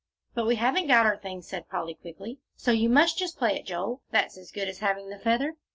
"But we haven't got our things," said Polly, quickly, "so you must just play it, Joel. That's as good as having the feather."